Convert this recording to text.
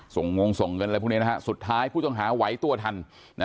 ส่งงงส่งสุดท้ายผู้ต้องหาไว้ตัวทัน